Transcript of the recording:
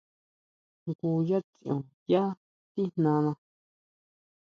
Jngu yá tsión yá tijnana.